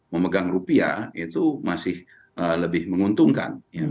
memegang rupiah itu masih lebih menguntungkan